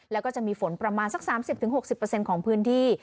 แล้วก็จะมีฝนประมาณสัก๓๐๖๐ของพื้นที่